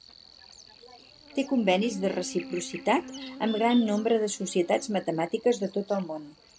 Té convenis de reciprocitat amb gran nombre de societats matemàtiques de tot el món.